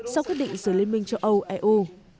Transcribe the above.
sau quyết định giữa liên minh châu âu eu